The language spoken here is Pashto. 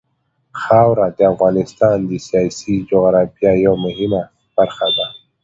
خاوره د افغانستان د سیاسي جغرافیه یوه مهمه برخه ده.